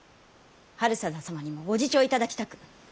治済様にもご自重頂きたく！